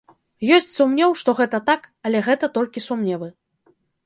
Ёсць сумнеў, што гэта так, але гэта толькі сумневы.